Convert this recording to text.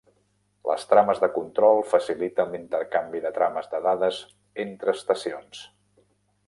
Les trames de control faciliten l'intercanvi de trames de dades entre estacions.